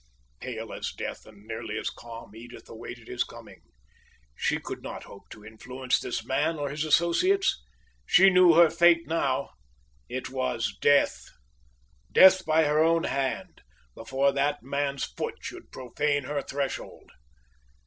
Pale as death, and nearly as calm, Edith awaited his coming. She could not hope to influence this man or his associates. She knew her fate now it was death! death by her own hand, before that man's foot should profane her threshold!